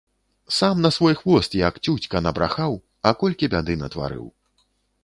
Сам на свой хвост, як цюцька, набрахаў, а колькі бяды натварыў.